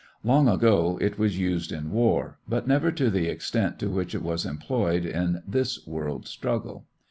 Long ago it was used in war, but never to the extent to which it was employed in this world struggle.